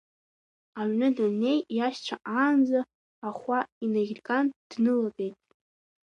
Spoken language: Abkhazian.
Аҩны даннеи, иашьцәа аанӡа ахәа иҽаирган, днылатәеит.